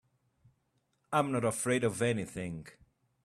I'm not afraid of anything.